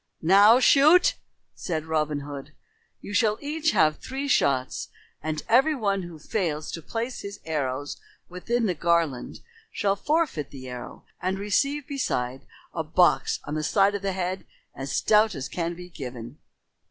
"Now shoot!" said Robin Hood. "You shall each of you have three shots, and every one who fails to place his arrows within the garland shall forfeit the arrow and receive beside a box on the side of the head as stout as can be given."